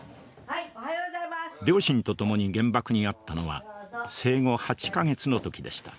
両親と共に原爆に遭ったのは生後８か月の時でした。